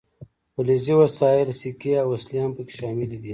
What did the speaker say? فلزي وسایل سیکې او وسلې هم پکې شاملې دي.